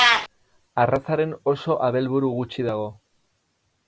Arrazaren oso abelburu gutxi dago.